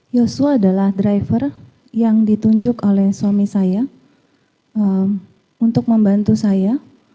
yosua adalah driver yang ditunjuk oleh suami saya untuk membantu saya